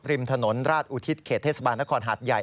ริมถนนราชอุทิศเขตเทศบาลนครหาดใหญ่